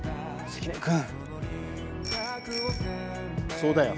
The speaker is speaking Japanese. そうだよ。